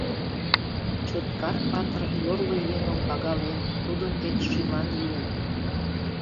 Чоткар Патыр йорло еҥым пагален, тудын дек шӱман лийын.